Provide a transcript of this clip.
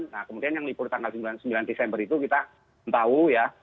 nah kemudian yang libur tanggal sembilan desember itu kita tahu ya